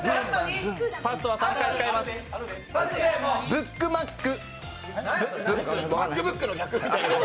ブックマック。